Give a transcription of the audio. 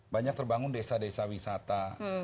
banyak terbangun desa desa wisata